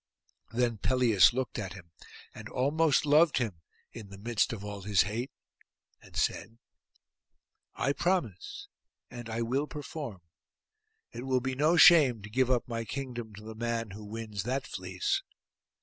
Then Pelias looked at him and almost loved him, in the midst of all his hate; and said, 'I promise, and I will perform. It will be no shame to give up my kingdom to the man who wins that fleece.